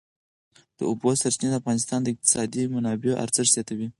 د اوبو سرچینې د افغانستان د اقتصادي منابعو ارزښت زیاتوي.